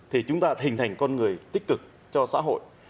thì chúng ta hình thành con người tích cực cho xã hội